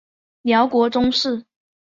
辽国宗室。